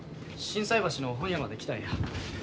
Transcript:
心斎橋の本屋まで来たんや。